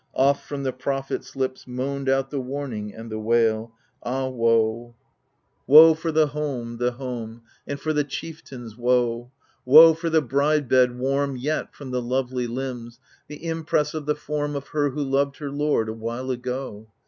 Oft from the prophets' lips Moaned out the warning and the wail — Ah woe ! 20 AGAMEMNON Woe for the home, the home 1 and for the chieftains, woe! Woe for the bride bed, warm Yet from the lovely limbs, the impress of the form Of her who loved her lord, awhile ago